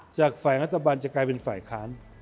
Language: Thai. จากฝ่ายรัฐบาลจะกลายเป็นฝ่ายค้าน